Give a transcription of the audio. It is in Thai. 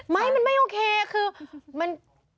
ไม่มันไม่โอเคคือมัน